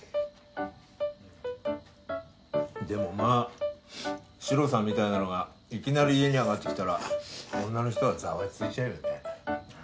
でもまあシロさんみたいなのがいきなり家に上がってきたら女の人はざわついちゃうよね。